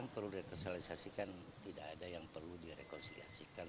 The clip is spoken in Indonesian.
tidak ada yang perlu direkonsiliasikan